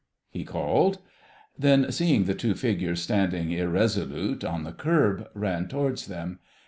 he called. Then, seeing the two figures standing irresolute on the kerb, ran towards them.